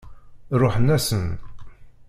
Ṛuḥen-asen.